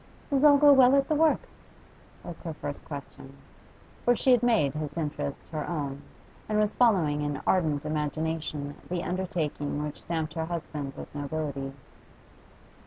'Does all go well at the works?' was her first question. For she had made his interests her own, and was following in ardent imagination the undertaking which stamped her husband with nobility.